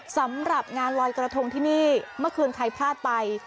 สำหรับงานลอยกระทงที่นี่เมื่อคืนใครพลาดไป